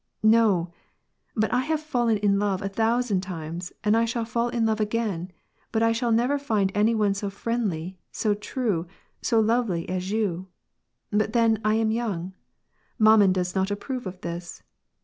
'^ No I but I have fallen in love a thousand times, and I shall I fall in love again, but I shall never find any one so friendly, so true, so lovely as you. But then I am young. Maman does not approve of this.